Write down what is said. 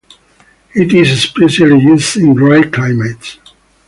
It is especially used in dry climates.